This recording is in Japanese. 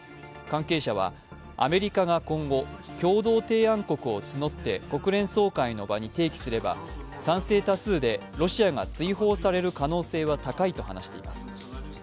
関係者はアメリカが今後共同提案国を募って国連総会の場に提起すれば賛成手数でロシアが追放される可能性は高いと話しています。